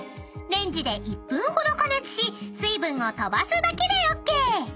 ［レンジで１分ほど加熱し水分を飛ばすだけでＯＫ］